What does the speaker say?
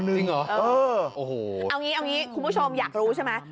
เอางี้เอางี้คุณผู้ชมอยากรู้ใช่ไหม